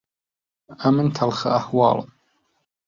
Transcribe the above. ئەمن تەڵخە ئەحوالم